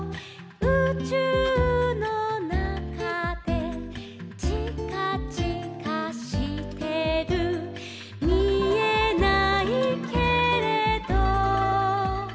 「うちゅうのなかで」「ちかちかしてる」「みえないけれど」